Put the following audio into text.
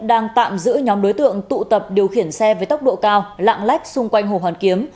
đang tạm giữ nhóm đối tượng tụ tập điều khiển xe với tốc độ cao lạng lách xung quanh hồ hoàn kiếm